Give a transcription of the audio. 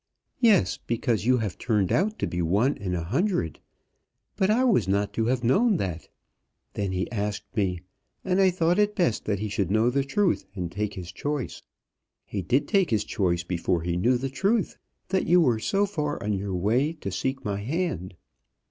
"Yes; because you have turned out to be one in a hundred: but I was not to have known that. Then he asked me, and I thought it best that he should know the truth and take his choice. He did take his choice before he knew the truth, that you were so far on your way to seek my hand."